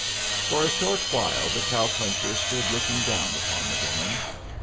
For a short while the cow puncher stood looking down upon the woman.